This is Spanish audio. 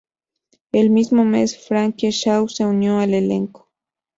El mismo mes, Frankie Shaw se unió al elenco.